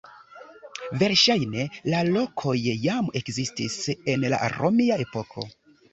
Verŝajne la lokoj jam ekzistis en la romia epoko.